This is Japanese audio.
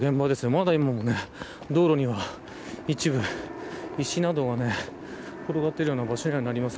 まだ今も道路には一部、石などが転がっているような場所にもなります。